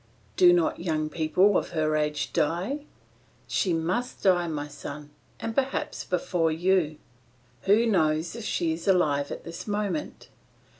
Do not young people of her age die? She must die, my son, and perhaps before you. Who knows if she is alive at this moment?